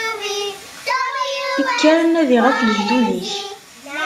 Kker nadi ɣef lejdud-ik.